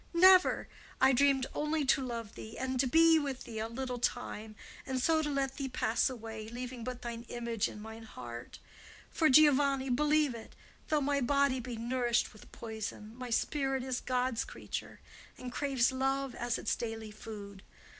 never! I dreamed only to love thee and be with thee a little time, and so to let thee pass away, leaving but thine image in mine heart; for, Giovanni, believe it, though my body be nourished with poison, my spirit is God's creature, and craves love as its daily food.